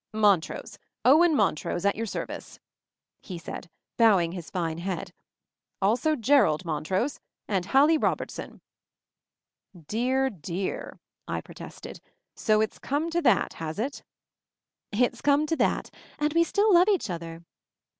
"Montrose — Owen Montrose, at your service," he said, bowing his fine head. "Ateo i Jerrold Montrose — and Hallie Robertson!" / "Dear, dear!" I protested. So it's come to that, has it?" "It's come to that — and we still love each other!"